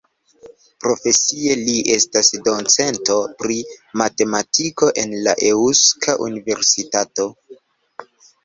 Profesie li estas docento pri matematiko en la Eŭska Universitato.